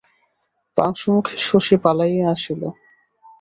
পাংশুমুখে শশী পলাইয়া আসিল।